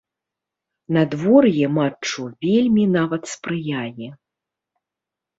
Надвор'е матчу вельмі нават спрыяе.